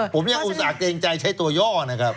ผมยังอุตส่าห์เกรงใจใช้ตัวย่อนะครับ